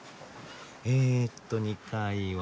えっと２階は。